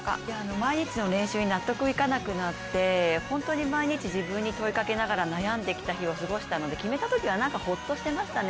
毎日の練習に納得いかなくなって、本当に毎日自分に問いかけながら悩んできた日を過ごしてきたので、決めたときはホッとしてましたね。